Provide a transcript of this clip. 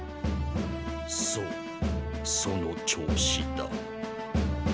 そうその調子だ。